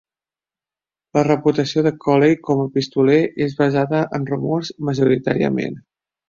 La reputació de Cooley com a pistoler és basada en rumors majoritàriament.